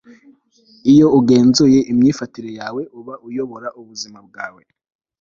iyo ugenzuye imyifatire yawe, uba uyobora ubuzima bwawe. - roy t. bennett